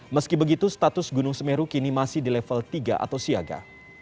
meski begitu status gunung semeru kini masih di level tiga atau siaga